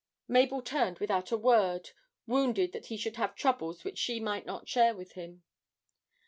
Mabel turned without a word, wounded that he should have troubles which she might not share with him.